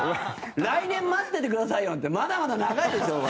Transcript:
来年、待っててくださいなんてまだまだ長いでしょうが。